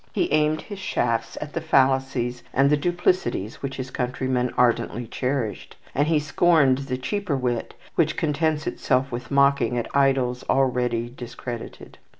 He aimed his shafts at the fallacies and the duplicities which his countrymen ardently cherished, and he scorned the cheaper wit which contents itself with mocking at idols already discredited.